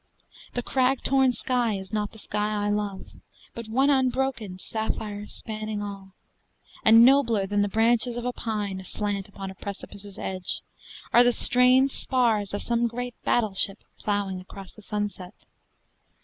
The crag torn sky is not the sky I love, But one unbroken sapphire spanning all; And nobler than the branches of a pine Aslant upon a precipice's edge Are the strained spars of some great battle ship Plowing across the sunset.